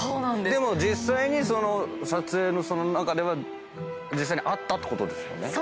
でも実際に撮影の中ではあったってことですもんね。